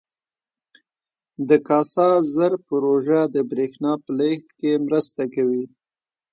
د کاسا زر پروژه د برښنا په لیږد کې مرسته کوي.